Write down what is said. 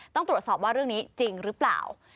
ต้องตรวจสอบว่าเรื่องนี้จริงหรือเปล่า